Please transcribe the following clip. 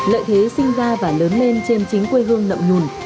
lợi thế sinh ra và lớn lên trên chính quê hương nậm nhùn